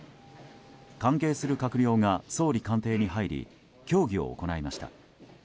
関係する閣僚が総理官邸に入り協議を行いました。